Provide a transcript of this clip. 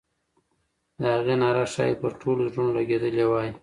د هغې ناره ښایي پر ټولو زړونو لګېدلې وای.